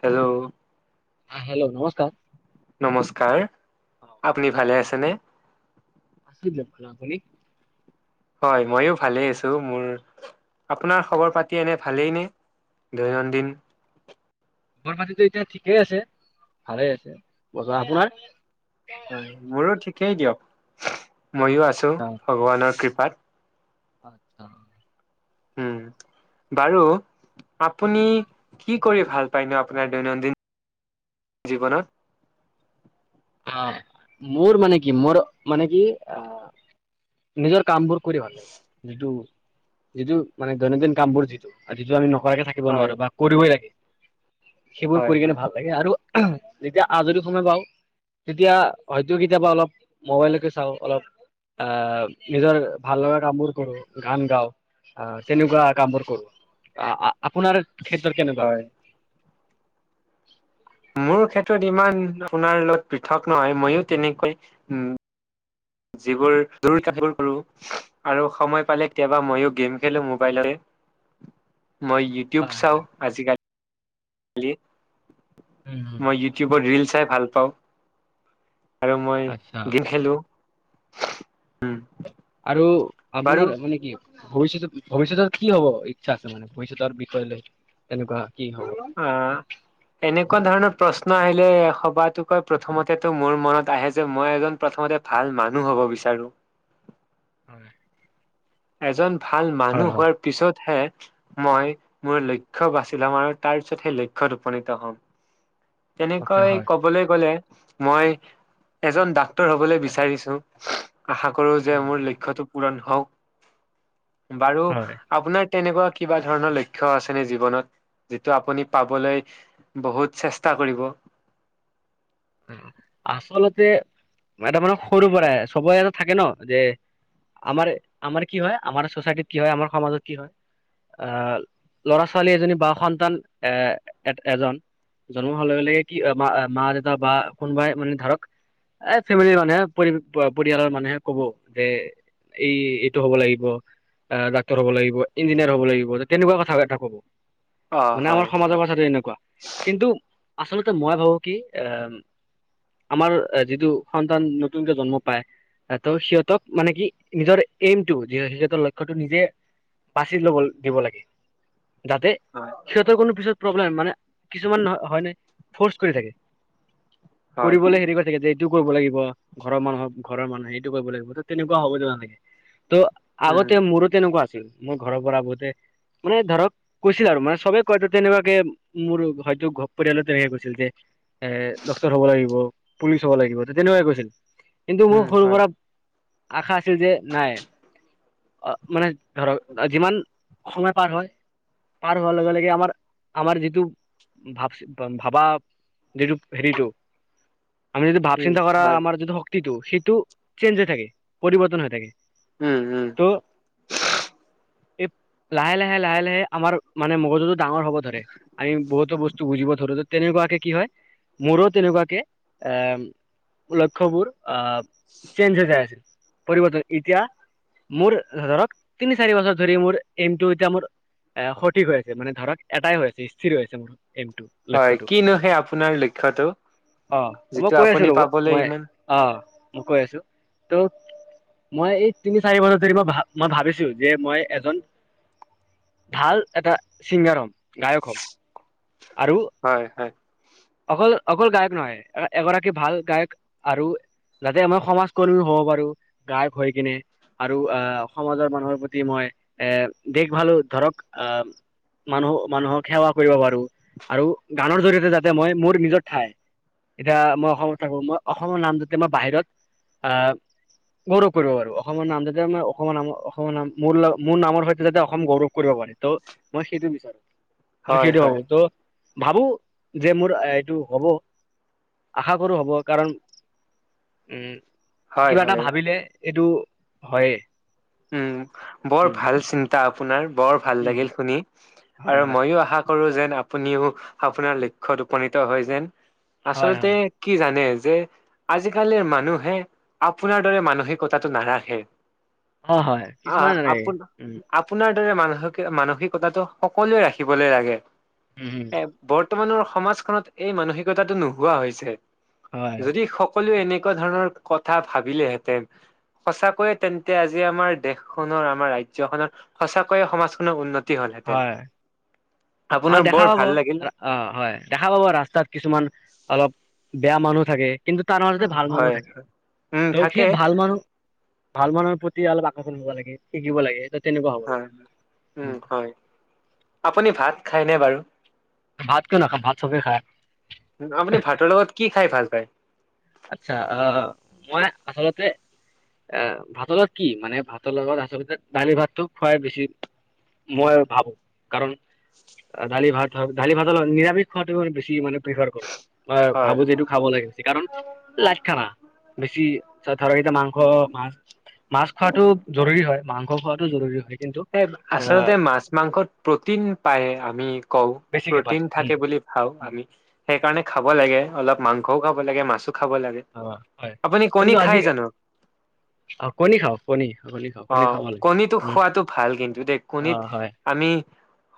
Hello আহ hello, নমস্কাৰ। নমস্কাৰ, অ আপুনি ভালে আছেনে? আছো ভালেদিয়ক আপুনি? হয় ময়ো ভালেই আছোঁ মোৰ, আপোনাৰ খবৰ পাতি এনে ভালেইনে দৈনন্দিন? খবৰ পাতিতো এতিয়া ঠিকেই আছে, ভালে আছে বজোৱা আপোনাৰ? হয় মোৰো ঠিক কেই দিয়ক। ময়ো আছো অ, ভগৱানৰ কৃপা সাত- আচ্ছা। উম, বাৰু আপুনি কি কৰি ভাল পায় ন আপোনাৰ দৈনন্দিন জীৱনত? অ, মোৰ মানে কি, মোৰ মানে কি, অ নিজৰ কামবোৰ কৰি ভাল লাগে যিটো যিটো মানে দৈনন্দিন কাম বোৰ যিটো আৰু যিটো আমি ন নকৰাকে থাকিব হয় নোৱাৰো বা কৰিবই লাগে। সেইবোৰ হয় কৰি কিনে হয় ভাল লাগে আৰু তেতিয়া আজৰি সময় পাওঁ তেতিয়া, হয়তো কেতিয়াবা অলপ মোবাইলকে চাওঁ অলপ আহ নিজৰ ভাল লগা কাম বোৰ কৰো গান গাওঁ আহ তেনেকুৱা কাম বোৰ কৰো, আহ আপোনাৰ ক্ষেত্ৰত কেনেকুৱা? হয় [inaudible] মোৰ ক্ষেত্ৰত ইমান আপোনাৰ লগত পৃথক নহয় মইও তেনেকৈ, উম যিবোৰ কোৰ কৰো আৰু সময় পালে কেতিয়াবা মইয়ো গেম খেলো মোবাইলতে। মই ইউটিউব হয় চাওঁ হয় আজিকালি হলে উম উম মই ইউটিউবৰ ৰিল চাই ভাল পাওঁ। আৰু মই আচ্ছা গেম খেলো উম। দুটো আপোনাৰ মানে কি? ভৱিষ্যতত, ভৱিষ্যতত কি হব ইচ্ছা আছে, মানে ভৱিষ্যতৰ বিষয় লৈ তেনেকুৱা কি হব অ এনেকুৱা ধৰণৰ প্ৰশ্ন আহিলে সবাতোকৈ প্ৰথমতেতো মোৰ মনত আহে যে মই এজন প্ৰথমতে ভাল মানুহ হব বিচাৰো। হয় এজন ভাল হয় মানুহ হয় হোৱাৰ পিছতহে মই মোৰ লক্ষ্য বাচি লাম আৰু তাৰ পিছত সেই লক্ষ্যয়ত উপনীত হ'ম। আচ্ছা তেনেকৈ হয় কবলৈ গ'লে মই এজন ডাক্তৰ হবলৈ বিচাৰিছো আশা কৰো যে উম, মোৰ লক্ষ্যটো পুৰণ হক বাৰু হয় আপোনাৰ তেনেকোৱা কিবা ধৰণৰ লক্ষ্য আছে নে জীৱনত যিটো আপুনি পাবলৈ চেষ্ট ষ্টা কৰিব আচলতে এটা মানে সৰু পৰাই চবৰে এটা থাকে ন যে আমাৰ আমাৰ কি হয় আমাৰ চচাইটিত কি হয় আমাৰ সমাজত কি হয় আহ ল'ৰা ছোৱালী এজনী বা সন্তান এ এ এজন জন্ম হলে বোলে কি মা দে তা বা কোনোবাই মানে ধৰক এ ফেমিলিৰ মানুহে পৰিয়ালৰ মানুহে কব যে এই এইটো হব লাগিব আহ ডাক্তৰ হব লাগিব ইঞ্জিনিয়াৰ হব লাগিব তেনেকোৱা কথা এটা কব অ' মানে হয়, আমাৰ সমাজৰ হয়, কথাটো এনেকোৱা কিন্তু আচলতে মই ভাবো কি এ আমাৰ যিটো সন্তান নতুনকে জন্ম পায় ত' সিহঁতক মানে কি নিজৰ এইমটো সিহঁতৰ লক্ষ্যটো নিজে বাচি ল'ব দিব লাগে যাতে হয়, সিহঁতৰ কোনো পিছত প্ৰব্লেম মানে কিছুমান নহয় হয় নাই ফ'ৰ্চ কৰি থাকে হয় কৰিবলৈ হেৰি কৰি থাকে যে এইটো কৰিব লাগিব ঘৰৰ মানুহক ঘৰৰ মানুহে সেইটো কৰিব লাগিব ত তেনেকোৱা হ'ব নালাগে তো উম, আগতে মোৰো তেনেকোৱা আছিল মই ঘৰৰ পৰা বহুতে মানে ধৰক কৈছিল আৰু মানে চবে কয় তেনেকুৱাকে মোৰ হয়তো ঘ পৰিয়ালত তেনেকে কৈছিল যে [unintelligible] এ ডক্তৰ হ'ব লাগিব পুলিচ হব লাগিব তেনেকোৱাই কৈছিল কিন্তু মোৰ উম, সৰু হয়, পৰা আশা আছিল যে নাই মানে ধৰক যিমান সময় পাৰ হয় পাৰ হোৱাৰ লগে লগে আমাৰ আমাৰ যিটো ভাব ভাবা যিটো হেৰিটো আম যদি ভাব উম, চিন্তা কৰা হয়। আমাৰ যদি শ ক্তিটো সেইটো চেঞ্জ হৈ থাকে পৰিৱৰ্তন হৈ থাকে উম উম ত' এই লাহে লাহে লাহে লাহে আমাৰ মানে মগজুতো ডাঙৰ হ'ব ধৰে আমি বহুতো বস্তু বুজিব ধৰো যে তেনেকোৱাকে কি হয় মোৰো তেনেকোৱাকে এ লক্ষ্যবোৰ অ চেঞ্জ হৈ যায় আছিল পৰিৱৰ্তন এতিয়া মোৰ ধৰক তিনি-চাৰি বছৰ ধৰি মোৰ এইমটো এতিয়া মোৰ এ সঠিক হৈ আছে মানে ধৰক এটাই হৈ আছে স্থিৰ হৈ আছে মোৰ। এইমটো হয় লক্ষ্যটো কিনো সেই আপোনাৰ লক্ষ্যটো অ মই যিটো কৈ আছো আপুনি ৰ'ব পাবলে মই ইমান অ কৈ আছোঁ, ত' মই এই তিনি-চাৰিবছৰ ধৰি মই মই ভাবিছোঁ যে মই এজন ভাল এটা চিংগাৰ হ'ম। গায়ক হম। আৰু হয়, হয়, অকল- অকল গায়ক নহয়। এগৰাকী ভাল গায়ক আৰু যাতে মই সমাজকৰ্মীও হব পাৰোঁ, গায়ক হৈ কিনে। আৰু অ' সমাজৰ মানুহৰ প্ৰতি মই এ- দেক ভালো ধৰক, অ' মানুহ- মানুহক সেৱা কৰিব পাৰোঁ। আৰু গানৰ জৰিয়তে যাতে মই মোৰ নিজৰ ঠাই, এতিয়া মই অসমত থাকোঁ। মই অসমৰ নাম যাতে মই বাহিৰত, অ'- গৌৰৱ কৰিব পাৰোঁ। অসমৰ নাম যাতে, মই অসমৰ নাম- অসমৰ নাম- মোৰ ল- মোৰ নামৰ সৈতে যাতে অসম গৌৰৱ কৰিব পাৰে। তো মই সেইটো বিচাৰোঁ। মই হয়, সেইটো হয়, ভাবোঁ, তো ভাবোঁ যে মোৰ এইটো হ'ব। আশা কৰোঁ হ'ব, কাৰণ উম হয়, কিবা এটা হয়, ভাবিলে এইটো হয়ে। উম। বৰ উম ভাল চিন্তা আপোনাৰ বৰ ভাল উম লাগিল শুনি। হয় আৰু হয় ময়ো আশা ক কৰোঁ যেন আপুনিও আপোনাৰ লক্ষ্যত উপনীত হয় যেন। হয় আচলতে হয় কি জানে? যে আজিকালিৰ মানুহে আপোনাৰ দৰে মানসিকতাটো নাৰাখে। অ হয় কিছুমান অ' এনেকে আপোনা- উম আপোনাৰ মানসিক- মানসিকতাটো সকলোৱে ৰাখিবলৈ লাগে। উম উম এ বৰ বৰ্তমানৰ সমাজখনত এই মানসিকতাটো নোহোৱা হৈছে। হয় যদি সকলোৱে এনেক কুৱা ধৰণৰ কথা ভাবিলেহেঁতেন, সঁচাকৈয়েই তেন্তে আ জি আমাৰ দেশখনৰ, আমাৰ ৰাজ্যখনৰ, সঁচাকৈয়ে সমাজখনৰ উন্ন তি হ'লহেঁতেন। হয় অ' আপোনাৰ দেখা বৰ পাব। ভাল লাগিল অ' হয়। দেখা পাব ৰাস্তাত কিছুমান অলপ বেয়া মানুহ থাকে। কিন্তু তাৰ মাজতে ভাল মানুহো হয় থাকে। উম তো সেই থাকে ভাল মানুহ ভাল মানুহৰ প্ৰতি অলপ আকৰ্ষণ হব লাগে, শিকিব লাগে। তেনেকুৱা হ'ব লাগে হয়। উম, হয়। আপুনি ভাত খাইনে বাৰু? ভাত কিয় নাখাম? ভাত চবে খায়। আপুনি ভাতৰ লগত কি খাই ভাল পায়? আচ্ছা। অ'- মই আচলতে অ'- ভাতৰ লগত কি, মানে ভাতৰ লগত আচলতে দালি-ভাতটো খুৱাই বেছি মই ভাবো। কাৰণ দালি-ভাত হয়- দালি-ভাতৰ লগ- নিৰামিষ খোৱাটো ম‌ই বেছি মানে প্ৰেফাৰ কৰোঁ। মই হয় ভাবোঁ যে হয়, এইটো খাব লাগে, হৈছে কাৰণ লাইট খানা। বেছি চোৱা ধৰা, এতিয়া মাংস, মাছ- মাছ খোৱাটো জৰুৰী হয়। মাংস খোৱাটো জৰুৰী হয়। কিন্তু এ, আহ আচলতে মাছ মাংসত প্ৰটিন পায় আমি কওঁ। বেছিকে পায় প্ৰটিন থাকে বুলি খাওঁ উম, আমি। সেই কাৰণে, খাব লাগে। অলপ মাং সও খাব লাগে, মাছো খাব লাগে। অ'! হয়। আপুনি কণী কিন্তু, আজি খাই জানো? কণী খাওঁ। কণী, কণী খাওঁ। কণী অ' খাব লাগে। কণীটো উম! খোৱাটো ভাল কিন্তু, দে অ কণীত হয় আমি,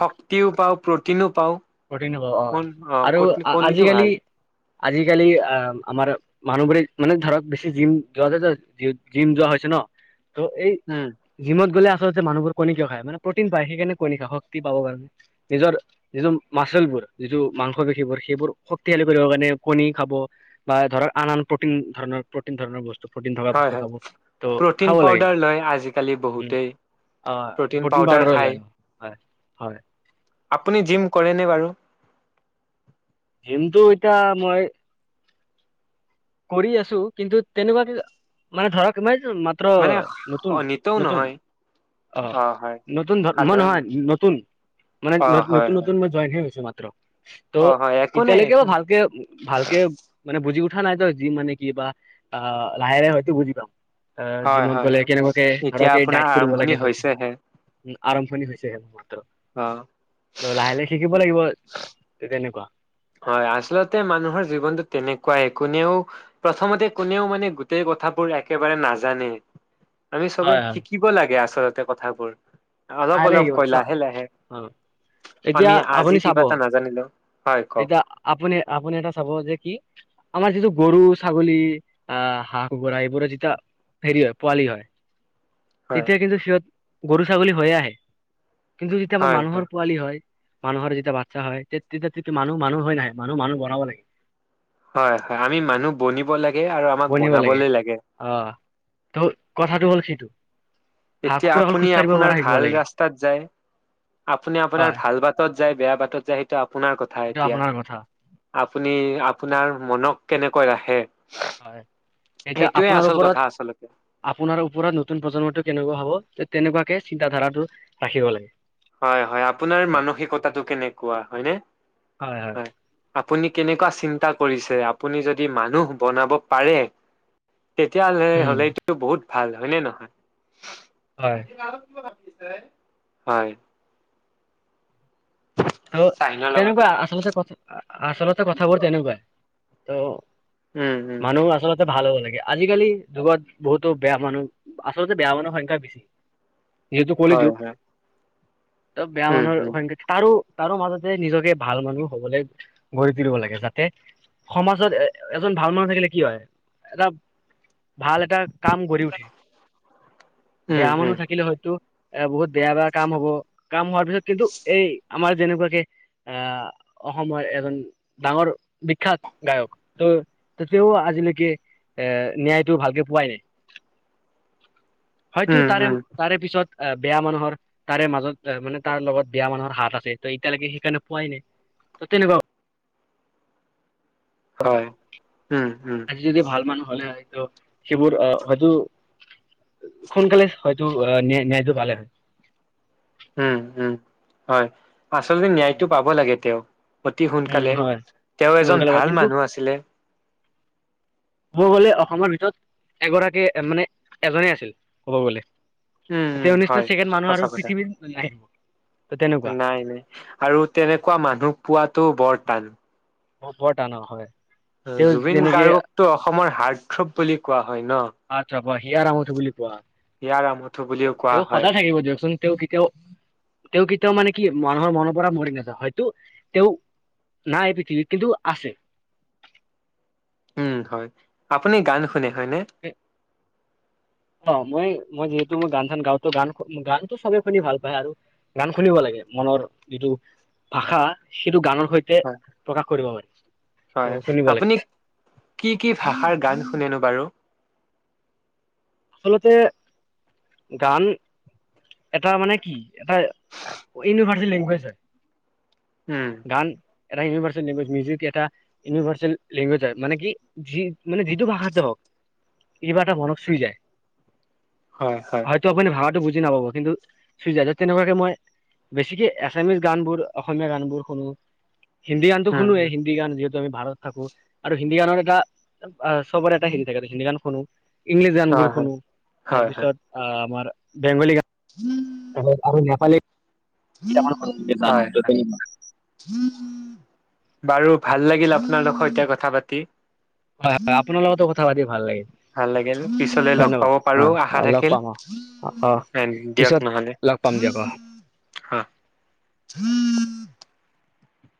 শক্তিও পাওঁ। প্ৰ'টিনো পাওঁ। প্ৰটিন অ'! অ'! অ' আৰু কণীটো আজিকালি, ভাল আজিকালি আঁ আমাৰ মানুহ বোৰে মানে, ধৰক বেছি জিম যোৱা য জিম যোৱা হৈছে ন'। ত' এই, উম। জিমত গ'লে [unintelligible] যে মানুহবোৰ কণী কিয় খায়! মানে, প্ৰটিন পায়। সেইকাৰণে, কণী খায় শক্তি পাব কাৰণে। নিজৰ যি মাচলবোৰ যিটো মাংস পেশীবোৰ, সেইবোৰ শক্তিশালী কৰিব কাৰণে, কণী খাব বা ধৰক আন, আন প্ৰ'টিন ধৰণৰ, প্ৰ'টিন ধৰণৰ বস্তু প্ৰটিন থকা হয় বস্তু হয় খাব। ত' প্ৰটিন খাব লাগে। পাউদাৰ লয় আজিকালি উম বহুতেই। আঁ প্ৰ'টিন পাউদাৰ পাউদাৰো খায়। লয়। হয়! আপুনি জিম কৰেনে বাৰু? জিমটো এতিয়া মই কৰি আছোঁ। কিন্তু, তেনেকুৱা মানে, ধৰক ইমান মাত্ৰ, মানে নতুন, নিতৌ নতুন নহয় অ'! নতুন ধৰ মই সাধাৰণ নহয়! নতুন মানে, অ হয় নতুন হয় নতুন মই জইন হে হৈছো মানে। ত' অ হয় একো নাই ইতিয়ালৈকে একো বা নাই ভালকে, ভালকে মানে বুজি উ উঠা নাই তই? যি মানে, কিবা অ'! লাহে, লাহে হয়তো বুজি পাম। আঁ হয় জিমত হয় গ'লে হয় কেনেকুৱাকে এতিয়া ধৰক আপোনাৰ ডাইট কৰিব আৰম্ভণি লাগে। য হৈছেহে আৰম্ভণি হৈছে হে। ত' অ লাহে, লাহে শিকিব লাগিব। তেতিয়া কেনেকুৱা? হয়। আচলতে, মানুহৰ জীৱনটো তেনেকুৱাই। কোনেও প্ৰথমতে, কোনেও মানে, গোটেই কথাবোৰ একেবাৰে নাজানে। আমি চবে হয় হয় শিকিব লাগে আচল তে কথাবোৰ। অলপ, লাহে অলপ শিকিব কৈ চ লাহে, লাহে। অ এতিয়া আমি, আজি আপুনি চাব কিবা এটা নাজানিলোঁ। হয়! কওক এতিয়া আপুনি, আপুনি এটা চাব যে কি আমাৰ যিটো গৰু, ছাগলী আঁ হাঁহ, কুকুৰা এইবোৰ যেতিয়া হেৰি হয় পোৱালি হয়। হয় তেতিয়া কিন্তু, সিহঁত গৰু, ছাগলী হৈ আহে। কিন্তু, যেতিয়া আমাৰ হয় মানুহৰ হয় পোৱালি হয় মানুহৰ যেতিয়া বাচ্চা হয় তে তেতিয়া তেতিয়া মানুহ মানুহ হৈ নাহে, মানুহ মানুহ বনাব লাগে। হয় হয় আমি মানুহ বনিব লাগে আৰু আমাক বনাবলৈ লাগে। টো [inaudible] এতিয়া আপুনি আপোনাৰ ভাল? ভাল ৰাস্তাত যায় আপুনি আপোনাৰ হয় ভাল বাটত যায় বেয়া বাটত যায়। সেইটো আপোনাৰ কথা এইটো এতিয়া আপোনাৰ কথা আপুনি আপোনাৰ মনক কেনেকৈ ৰাখে। হয়। এতিয়া সেইটোয়ে আপোনাৰ আচল কথা আচলতে ওপৰত আপোনাৰ ওপৰত নতুন প্ৰজন্মটো কেনেকুৱা হ'ব তেনেকুৱাকে চিন্তা ধাৰাটো ৰাখিব লাগে। হয় হয় আপোনাৰ হয় মানসিকতাটো কেনেকুৱা হয় নে হয়। আপুনি কেনেকুৱা চিন্তা কৰিছে আপুনি যদি মানুহ বনাব পাৰে। তেতিয়াহলে উম হ'লেটো বহুত ভাল হয়নে নহয়? হয় আজি ন কিিব [unintelligible] হয়। অ' চাইনৰ লগতে তেনেকুৱা আচলতে ক আচলতে কথাবোৰ তেনেকুৱাই অহ। উম উম ভাল হ'ব লাগে। আজিকালি যুগত বহুতো বেয়া মানুহ আচলতে বেয়া মানুহৰ সংখ্যা বেছি। যিহেতু কলি হয় যুক হয় অহ বেয়া উম মানুহৰ উম সংখ্যা তাৰো তাৰো মাজতে নিজকে ভাল মানুহ হ'বলৈ গঢ়ি তুলিব লাগে। যাতে সমাজত এ এজন ভাল মানুহ থাকিলে কি হয় এটা ভাল এটা কাম গঢ়ি উঠে উম বেয়া মানুহ উম থাকিলে হয়তো। এ বহুত বেয়া বেয়া কাম হ'ব কাম হোৱাৰ পিছত কিন্তু এই আমাৰ যেনেকুৱাকে আহ অসমৰ এজন ডাঙৰ বিখ্যাত গায়ক তহঁ তেওঁ আজিলৈকে এ ন্যায়টো ভালকে পোৱাই নাই। হয় তো উম তাৰে উম তাৰে পিছত অ' বেয়া মানুহৰ তাৰে মাজত মানে তাৰ লগত বেয়া মানুহৰ হাত আছে ত এতিয়ালৈকে সেইকাৰণে পোৱাই নাই ত তেনেকুৱা কথা হয় উম উম আজি যদি ভাল মানুহ হ'লে হয় ত সেইবোৰ আহ হয়তো। সোনকালে হয়। টো ন্যায়টো পালে। উম উম হয়। আচলতে ন্যায়তটো পাব লাগে তেওঁ [unintelligible] অতি উম সোনকালে হয় তেওঁ এজন সোনকালে হয়। ভাল কিন্তু মানুহ আছিলে। ক'ব গলে অসমৰ ভিতৰত এগৰাকী মানে এজনে আছিল ক'ব গলে। উম উম তেওঁ নিচিনা হয় ছেকেণ্ড মানুহ সঁচা আৰু কথা পৃথিৱীত নাই নাই নাই আৰু তেনেকুৱা মানুহ পোৱাতো বৰ টান [unintelligible] অ বৰ টান হয়। তেওঁ জুবিন যেনেকে গাৰ্গক টো অসমৰ হাৰ্থৰৱ বুলি কোৱা হয় ন। [unintelligible] আচ্ছা ব হিয়া আমঠু বুলি কোৱা হয় [unintelligible] হিয়াৰ আমঠু বুলিও কোৱা হয়। দিয়কচোন [unintelligible] তেওঁ কেতিয়াও তেওঁ কেতিয়াও মানে কি মানুহৰ মনৰ পৰা মৰি নাযায় হয়তো তেওঁ নাই পৃথিৱীত কিন্তু আছে। উম হয় আপুনি গান শুনে নে নে? অ মই মই যিহেতু মই গান চান গাওঁতো গান গানতটো চবে শুনি ভাল পায় আৰু গান শুনিব লাগে মনৰ যিটো ভাষা সেইটো গানৰ সৈতে হয় প্ৰকাশ কৰিব পাৰি। ত' হয় শুনিব লাগে আপুনি কি কি ভাষাৰ গান শুনেনো বাৰু। আচলতে গান এটা মানে কি এটা ইউনিভাৰ্চেল লেংগুৱেজ হয়। উম গান এটা ইউনিভাৰ্চেল লেংগুৱেজ মিউজিক এটা ইউনিভাৰ্চেল লেংগুৱেজ হয় মান কি যি মানে যিটো ভাষাতে হওক কিবা এটা মনক চুই যায়। হয় হয় হয়তো আপুনি ভাষাটো বুজি নাপাব কিন্তু চুই যায় তেনেকুৱাকে মই বেছিকে এছামিছ গান বোৰ অসমীয়া গান বোৰ শুনো। হিন্দী গানটো উম শুনোয়ে উম গান যহ আমি ভাৰতত থাকো আৰু হিন্দী গানৰ এটা চবৰে এটা হেৰি থাকে হিন্দী গান শুনো। ইংলিচ গান বোৰ হয় শুনো হয় হয় হয় তাৰপিছত আ আমাৰ। বেংগলী গান আৰু নেপালী এতিয়া আকৌ হলগে জনো হয় হয়। [unintelligible] বাৰু ভাল লাগিল আপোনালোকৰ সৈতে কথা পাতি হয় হয় আপোনাৰ লগতো কথা পাতি ভাল লাগিল ভাল লাগিল পিছলৈ লগ ধন্যবাদ পাব পাৰো আশা অ লগ থাকিল পাম অ অ পিছত লগ পাম দিয়ক অ হা